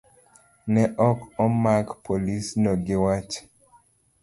Ne ok omak polisno gi wach